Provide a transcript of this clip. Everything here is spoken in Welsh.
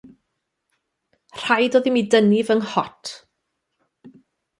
Rhaid oedd i mi dynnu fy nghot.